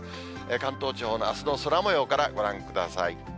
関東地方のあすの空もようからご覧ください。